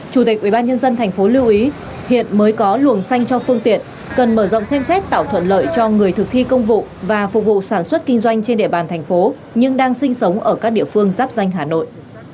chủ tịch ubnd tp lưu ý hiện mới có luồng xanh cho phương tiện cần mở rộng xem xét tạo thuận lợi cho người thực thi công vụ và phục vụ sản xuất kinh doanh trên địa bàn thành phố nhưng đang sinh sống ở các địa phương giáp danh hà nội